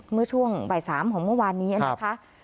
เมื่อช่วงบ่าย๓ของเมื่อวานนี้นะคะ